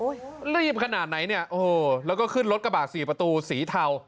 รีบขนาดไหนเนี่ยโอ้โหแล้วก็ขึ้นรถกระบาดสี่ประตูสีเทา